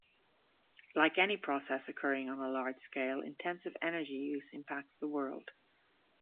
Like any process occurring on a large scale, intensive energy use impacts the world.